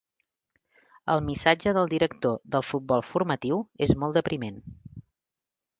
El missatge del director del Futbol Formatiu és molt depriment.